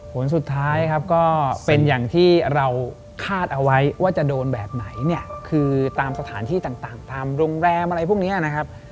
ผลสุดท้ายครับก็เป็นอย่างที่เราคาดเอาไว้ว่าจะโดนแบบไหนเนี่ยคือตามสถานที่ต่างตามโรงแรมอะไรพวกนี้นะครับ